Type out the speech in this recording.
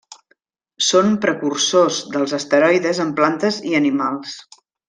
Són precursors dels esteroides en plantes i animals.